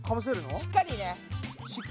しっかり！